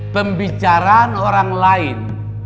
pembicaraan orang lain